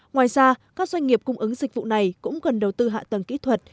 ngoài ra các doanh nghiệp cung ứng dịch vụ này cũng cần đầu tư hạ tầng kỹ thuật